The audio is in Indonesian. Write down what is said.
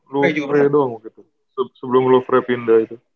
lu freya doang gitu sebelum lu freya pindah itu